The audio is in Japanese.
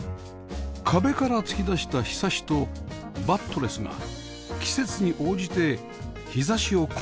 壁から突き出した庇とバットレスが季節に応じて日差しをコントロール